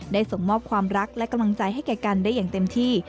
ส่งมอบความรักและกำลังใจให้แก่กันได้อย่างเต็มที่